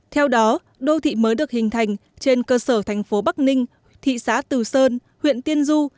theo đó đô thị mới được hình thành trên cơ sở thành phố bắc ninh thị xã từ sơn huyện tiên du